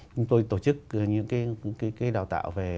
chúng tôi tổ chức những cái đào tạo về